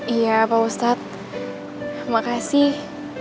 iya pak ustadz makasih